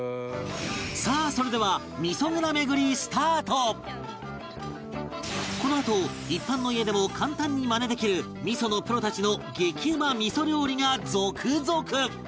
さあそれではこのあと一般の家でも簡単にマネできる味のプロたちの激うま味料理が続々！